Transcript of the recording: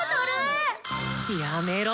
やめろ！